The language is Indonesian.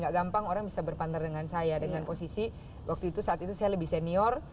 gak gampang orang bisa berpantar dengan saya dengan posisi waktu itu saat itu saya lebih senior